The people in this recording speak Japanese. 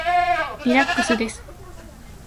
リラックスです。